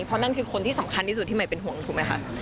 เพราะนั่นคือคนที่สำคัญที่สุดที่ใหม่เป็นห่วงถูกไหมคะ